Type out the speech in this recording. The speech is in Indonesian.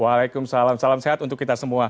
waalaikumsalam salam sehat untuk kita semua